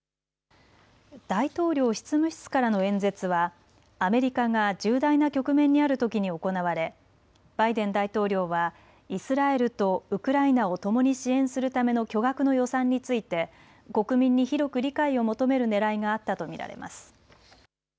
大統領執務室からの演説はアメリカが重大な局面にあるときに行われバイデン大統領はイスラエルとウクライナをともに支援するための巨額の予算について国民に広く理解を求めるねらいがあったと見られます。